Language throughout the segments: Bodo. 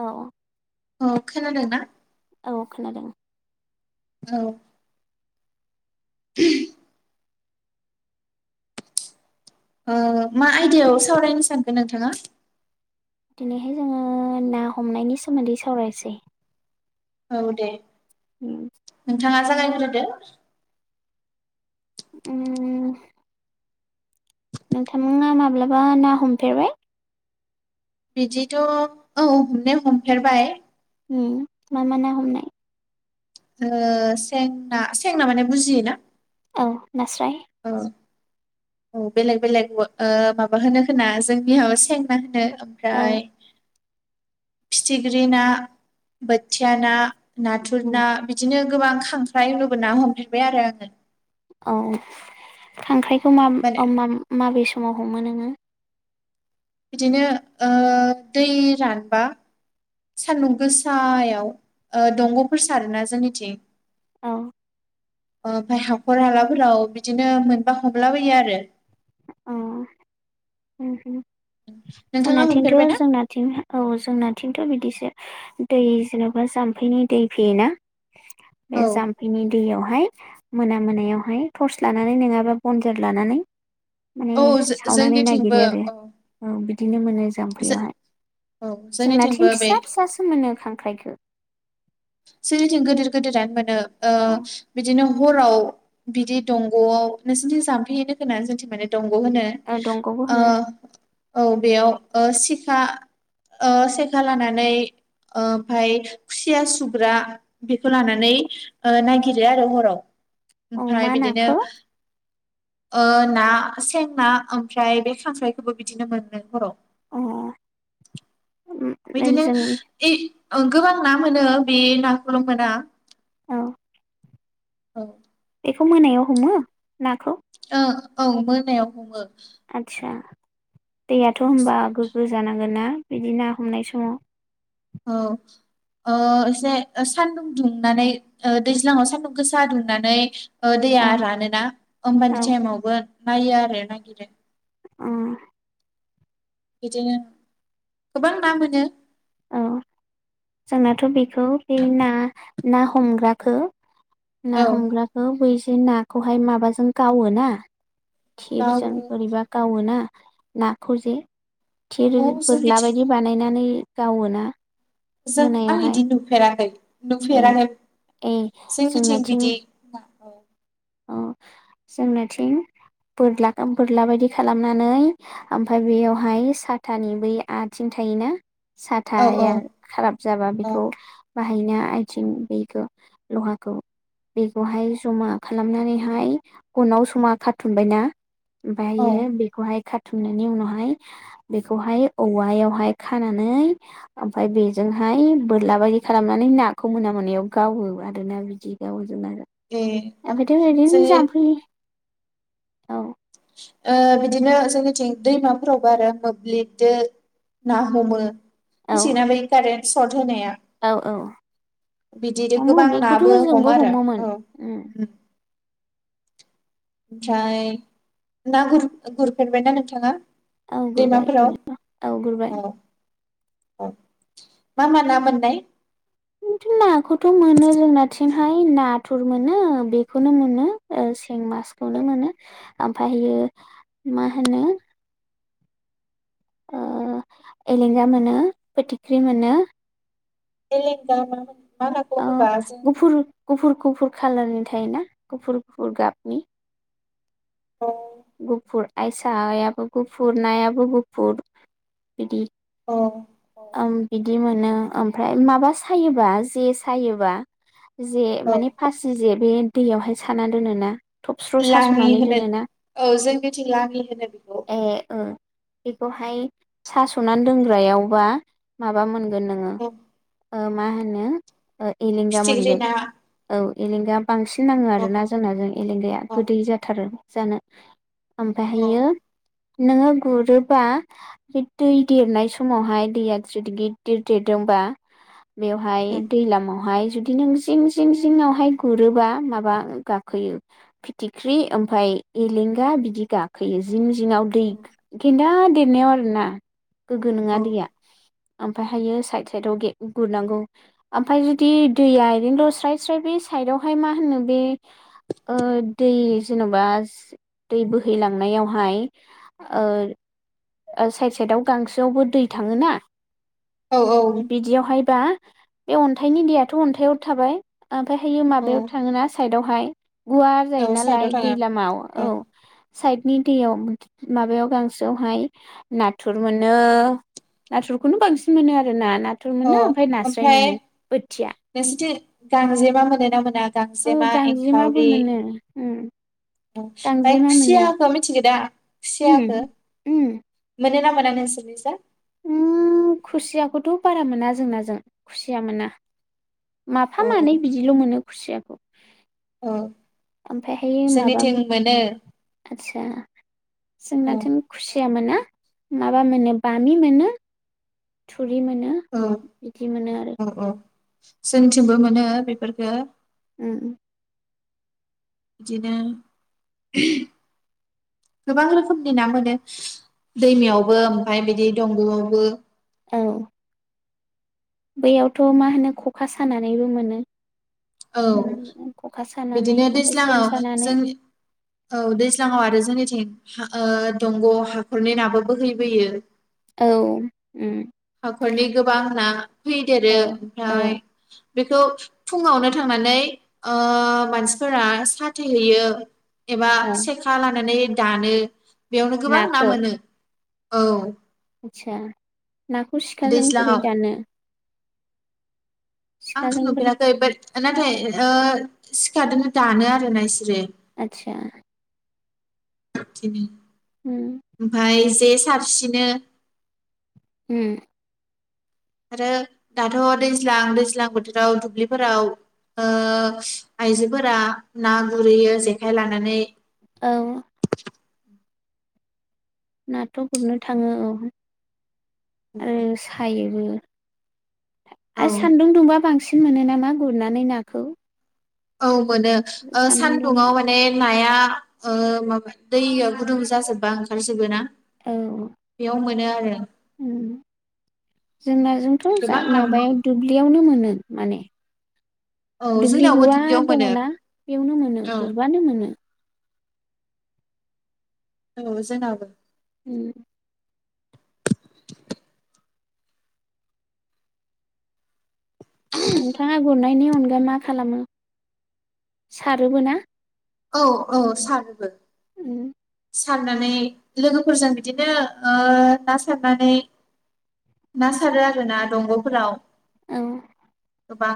औ अ खोनादों ना? औ खोनादों। औ। ओ मा आयदायाव सावरायनो सानखो नोंथाङा? दिनैहाय जोङो ना हमनायनि सोमोन्दै सावरायसै। औ दे। जायग्रोदो। उम। नोंथांमोनहा माब्लाबा ना हमफेरबाय? बिदिथ औ हमनाया हमफेरबाय। मा मा ना हमनाय? जों सें ना सेंना माने बुजिय ना? औ नास्राय औ औ बेलेग बेलेग माबा होनो खोमा जोंनियाव माबा सें ना होनो औ ओमफ्राय फिथिख्रि ना बोथिया ना नाथुर ना उम बिदिनो गोबां खांख्राय नुबोना हमबोबाय आरो आङो। औ खांख्राय [inaudible] माने माबे समाव हमो नोङो? बिदिनो दै रानबा सान्दुं गोसायाव दंगफोर सारोना जोंनिथिं। औ अ बेहाय। हखर हालाफोराव बिदिनो मोनबा हमला बायो आरो उम नोंथाङा जोंनिथिंथ हमफेरबायना जोंनिथिं औ जोंनाथिं। थ बिदिसो दै जेनबा जाम्फैनि दै फैयोना? बे औ जाम्फैनि दैयावहाय मोना मोनायावहाय टर्स लानानै नङाबा बनजार लानानै माने औ जो- सावनानै जोंनिथिंबो नागिरो आरो औ औ बिदिनो मोनो जो- जाम्फैयावहाय औ जोंनिथिंबो जोंनाथिं बे फिसा फिसासो मोनो खांख्राइखौ सेरथिं गोदोर गोदोरानो मोनो औ ओ बिदिनाव हराव बिदि दंगआव नोंसोरनिथिं जाम्फैनो गोनां जोंथि माने दंग ब होननो औ दंग'बो आ होनो औ बेयाव ओ सिखा ओ सेखा लानानै ओमफाय खुसिया सुब ग्रा बिखौ लानानै ओ नागिरो आरो हराव औ ओमफ्राय मा बिदिनो नाखौ ओ ना सें ना ओमफ्राय बे खांख्राइखौबो बिदिनो मोनन्नो हराव अ बिदिनो जों इ ओ गोबां ना मोनो बे नाखौल मोना औ औ एखौ मोनायाव हमो नाखौ ओ औ मोनायाव हमो आदसा दैयाथ' होनबा गोग्गो जानांगोनना बिदि ना हमनाय समाव औ ओ एसे ओ सानदुं दुंनानै ओ दैज्लाङाव सान्दुं गोसा दुंनानै ओ दैया औ रानोना औ ओमबानि टाइमावबो नायो आरो नागिरो। ओम बिदिनो गोबां ना मोनो औ जोंनाथ बेखौ बे ना ना हमग्राखो औ ना हमग्राखौ बै बे नाखौहाय माबाजों गावो ना थिरजों गावो बोरैबा गावोना नाखौजे थिर औ बोरला जोंनिथिं बायदि बानायनानै गावोना जों आं मोनायावहाय इदि नुफेराखै ए नुफेरानो ए जोंनिथिं जोंनाथिं बिदि औ अ जोंनाथिं बोरला बोरला बायदि खालामनानै ओमफ्राय बेयावहाय साथानि बै आथिं थायोना औ साथाया खाराब जाबा औ बेखौ बाहा हायना आथिं बेखौ लहाखौ बेखौहाय जमा खालामनानैहाय गनाव समा खाथुमबायना औ ओमफायो बेखौहाय खा थुननायनि उनावहाय बेखौहाय औवायावहाय खानानै ओमफाय बेजोंहाय बोरलाबादि खालामनानै नाखौ मोना मोनायाव गावो आरोना बिदि गावो जोंना ए औ ओमफ्रायथ' ओरैनो जोंनि जाम्फै औ ओ बिदिनो जोंनिथिं दैमाफोरावबो आरो मोब्लिबदों ना हमो। औ मिथियोना बै कारेन्ट सत होनाया औ औ बिदिनो हमो गोबां बेखौथ' नाबो जोंबो हमो आरो हमोमोन औ उम ओमफ्राय ना गर-गुरफेरबायना नोंथाङा औ गुरबाय दैमाफोराव गुरनायथ औ गुरबाय औ मा मा ना मोननाय [unintelligible] थ मोनो जोंना नहाय नाथुर मोनो बेखौनो मोनो ओ जों मासखौनो औ मोनो ओमफायो मा होनो ओ एलेंगा मोनो फोथिख्रि मोनो [inaudible] मा नाखौ ओ होनोब्ला जों गुफुर गुफुर गुफुर कालारनि थायोना गुफुर गुफुर गाबनि औ गुफुर आयसायाबो गुफुर नायाबो गुफुर बिदि औ औ आं बिदि मोनो ओमफ्राय माबा सायोबा जे सायोबा जे औ माने फासि जे बे दैयावहाय साना दोनोना थबस्रु लाङि सासनानै होनो दोनोना औ जोंनिथिं लानि होनो बेखौ बेखौ हाय सा सनानै दोनग्रायाव बा माबा मोन गोन नोङो औ ओ मा होनो एलेंगा फिथिख्रि मोनगोन ना औ एलेंगा बांसिन नाङो औ आरोना जोंना जों एलेंगाया औ गोदै जाथारो जानो ओमफ्राय औ हाययो नोङो गुरोबा बे दै देरनाय समावहाय दैया जुदि गिददिर देरदोंबा बेवहाय उम दैलामावहाय जुदि नों जिं जिं जिंआवहाय गुरोबा माबा गाखोयो फिथिख्रि ओमफाय एलेंगा बिदि गाखोयो जिं जिं दिनाव दै [unintelligible] [unintelligible] आरो ना। गोगो नोङा औ दैया ओमफ्रायहायो साइद साइद आव गे गुरनांगौ ओमफफ्राय जुदि दैया ओरैनोल स्राय स्राय बे साइदआवहाय मा होनो ओ दै जेनबा दै बोहैलांनायावहाय ओ साइद साइदआव गांसोआवबो दै थाङोना औ औ बिदियावहाय बा। बे अन्थाइनि दैेयाथ अन्थाइआव थाबाय। ओमफफ्रायहायो औ मायाव थाङोना साइदआव हाय। गुवार जायो औ साइदआव नालाय थाङो दै लामायाव। औ साइडनि। दैयाव माबायाव गांसोयावहाय नाथुर मोनो नाथुरखौनो बांसिन मोनो आरो ना। नाथुर औ मोनो ओमफ्राय नास्राय ओमफ्राय मोनो बोथिया नोंसिथि गांजेमा मोनोना मोना औ गांजेमा गांजेमाबो एंखावरि। मोनो उम फाय गांजेमा मोनो खुसियाखौ मिथि जेदा उम खुसियाखो उम मोनोना [unintelligible] उम खुसियाखौथ बारा मोना जोंनाजों खुसिया मोना। औ माफा मानै बिदिल मोनो। खुसियाखौ औ जोंनिथिं मोनो। आतसा औ जोंनाथिं खुसिया मोन ना माबा मोनो बामि मोनो थु थुरि मोनो औ बिदि मोनो आरो औ औ जोंथिंबो मोनो बेफोरखो उम उम बिदिनो गोबां रोखोमनि ना मोनो दैमायावबो ओमफाय बिदि दंगआवबो। औ बैयावथ मा होनो खखा सानानैबो मोनो। औ खखा सानानै बिदिनो ओमफ्राय सेन दैज्लाङाव सानानै जों औ दैज्लाङाव आरो जोंनिथिं हा ओ दंग हाखरनि नाबो बोहैैबोयो। औ उम हाखरनि गोबां ना फैदेरो औ औ ओमफ्राय बेखौ फुङावनो थांनानै ओ मानसिफोरा साथेहैयो। एबा औ सेखा लानानै दानो बेयावनो गोबां ना मोनो। औ आतसा नाखौ सिखाजों बोरै दैज्लाङाव दानो? आंथ सिखाजों बोरै नुफेराखै बात नाथाय ओ सिखादोनो दानो आरोना इसोरो। आतसा। [unintelligible] उम ओमफाय। दे सारसिनो। उम आरो दाथ दैज्लां दैज्लां बोथोराव दुब्लिफोराव ओ आइजोफोरा ना गुरहैयो जेखाइ लानानै। औ नाथ गुरनो थाङो औ आरो सायोबो। आ औ सान्दुं दुंबा बां सिन मोनो नामा गुरनानै नाखौ? औ। मोनो ओ सान्दुं सानदुङाव दुंनायाव माने नाया ओ माबा दैया गुदुं जाजोबबा ओंखार जोबो ना? औ। नो आरो। ओम जोंना ओजोंथ जा गोबां ना मोनो माबायाव दुब्लियावनो मोनो माने। औ दुब्लि जोंनावबो गुवार दुब्लियाव मोनो दङना बेयावनो मोनो औ गुरबानो मोनो। औ जोंनावबो। उम। नोंथाङा गुरनायनि अनग ओम मा खालामो सारोबो ना? औ औ सारोबो। उम। सारनानै लोगोफोरजों बिदिनो ओ ना सारनानै ना सारो आरो ना दंग फोराव। औ। गोबां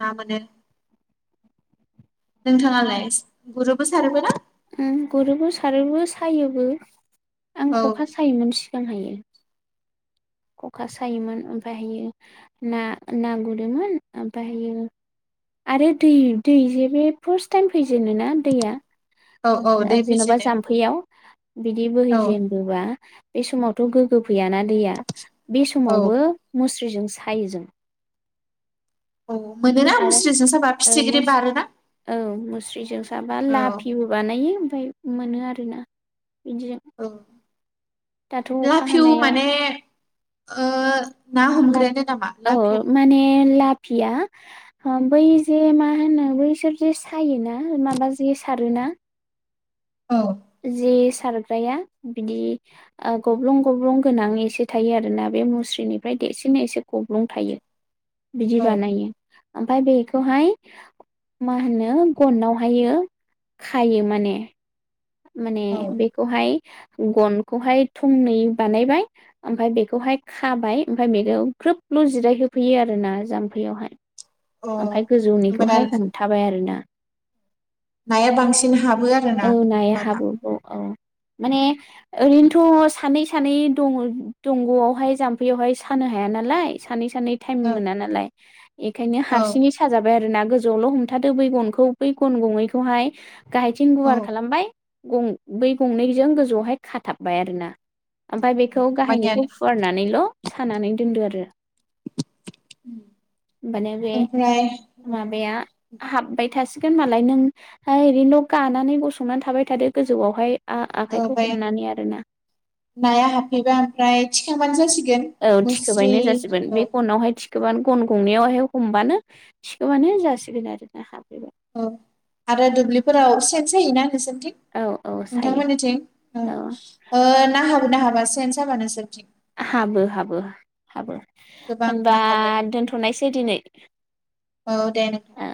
ना मोनो। नोंथाङालाय गुरोबो सारोबो ना? ओम गुरोबो सारोबो सायोबो। आं औ खखा सायोमोन सि [unintelligible] हायो। खखा सायोमोन ओमफायहायो ना ना गुरोमोन ओमफायहायो आरो दै दै जे बे फार्स्ट टाइम फैजेनो ना दैया। औ औ दै जेनबा फैजेननायाव जाम्फैयाव बिदि औ बोहैजेनबोबा बे समावथ गोगो फैयाना दै बे औ समावबो मुस्रिजों। सायो जों। औ मोनोना आरो मुस्रिजों साबा ओ फिथिख्रि बारोना मोस-औ मुस्रिजों साबा औ लाफिबो बानायो ओमफाय। मोनो आरो ना। [unintelligible] औ लाफिउ माने ओ। ना हमग्रायानो नामा लाभ औ औ लाफिउ माने ला लाफिया बै जे मा होनो बैसोर जे सायोना माबा जे सारोना। औ जिस। सारग्राया बिदि ओ गब्लं-गब्लं गोनां एसे थायो आरोना बे मुस्रिनिफ्राय देरसिन एसे गब्लं थायो। बिदि औ बानायो। ओमफाय बेखौहाय मा होनो गनावहायो खायो माने। माने औ बेखौहाय गनखौहाय थंनै बानायबाय ओमफाय बेखौहाय खाबाय ओमफाय बेखौ ग्रोब ल जिराय होफैयो आरोना जाम्फैयावहाय। अ ओमफाय होमबाना गोजौनिखौहाय हमथाबाय आरो ना। नाया बांसिन हाबो आरोना औ ओम नाया बाना हाब्रुखौ औ माने ओरैनोथ सानै सानै दं दंग आवहाय जामफैयावहाय सानो हाया नालाय सानै सा [unintelligible] टाइम औ मोना नालाय एखा औ [unintelligible] साजाबाय आरो ना गोजौआवल हमथादो बै गनखौ बै गन गंनैखौहाय गाहायथिं औ गुवार खालामबाय गं बै गंनैजों गोजौआवहाय खाथाबबाय आरोना ओमफाय बेखौ होमबानिया गाहायनिखौ फुवारनानैल सानानै दोनदो आरो बानाय [unintelligible] ओमफ्राय औ औ माबाया हाबबाय। थसिगोन मालाय नों‌ आ ओरैनोल गानानै गसंनानै थाबाय थादो गोजौआवहाय औ आखाइखौ बे हमनानै आरोना नाया हाबफैबा ओमफ्राय [unintelligible] औ मुस्रि थिखोबायनो जासिगोन औ बे गनावहाय थि बानो गन गंनैआवहाय हमबानो थिखोबानो जासिगोन आरो ना [unintelligible] ओ आरो दुब्लिफोराव सेन सायोना नोंसोर? थिग औ औ सायो नोंथांमोननिथिं औ‌ औ ओ ना हाबो हाबा सेन साबा नोंसोरनिथिं हाबो हाबो हाब गोबां ना होनबा हाबो दोनथनोयसै दिनै। औ दे नोंथां। ओ